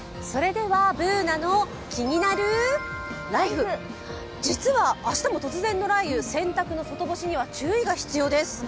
「ＢｏｏｎａのキニナルＬＩＦＥ」実は明日も突然の雷雨、洗濯の外干しには注意が必要です。